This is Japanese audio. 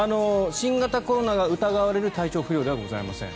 新型コロナが疑われる体調不良ではございません。